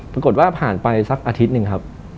ปรากฏว่าผ่านไปสักอาทิตย์หนึ่งครับ